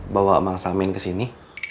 bawa emang samin ke sini